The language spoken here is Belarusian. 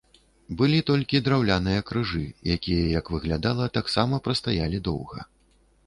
Былі толькі драўляныя крыжы, якія, як выглядала, таксама прастаялі доўга.